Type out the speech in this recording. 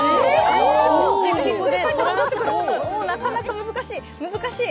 なかなか難しい、難しい。